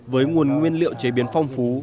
với nguồn nguyên liệu chế biến phong phú